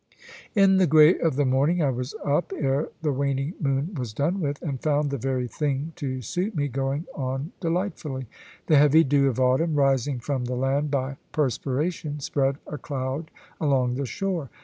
In the grey of the morning, I was up, ere the waning moon was done with, and found the very thing to suit me going on delightfully. The heavy dew of autumn, rising from the land by perspiration, spread a cloud along the shore.